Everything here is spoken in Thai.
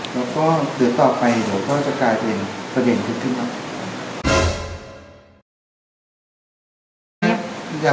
แล้วก็เดือดต่อไปจะกลายเป็นประเด็นคุดขึ้นออก